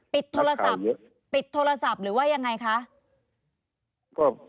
ปิดโทรศัพท์หรือว่ายังไงคะ